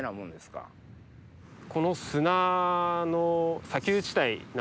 この砂の砂丘地帯なんで。